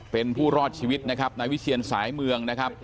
เป็นผู้รอดชีวิตนะครับนายวิเชียนสายเมืองนะครับ